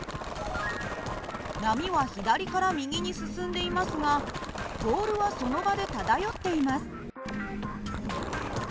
波は左から右に進んでいますがボールはその場で漂っています。